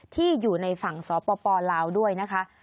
ที่อยู่ในฝั่งสปลาวด้วยนะคะ